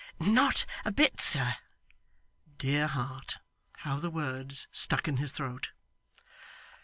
'Not a bit, sir.' Dear heart, how the words stuck in his throat!